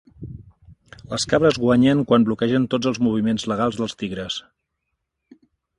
Les cabres guanyen quan bloquegen tots els moviments legals dels tigres.